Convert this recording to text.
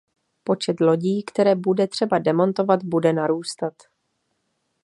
Počet lodí, které bude třeba demontovat, bude narůstat.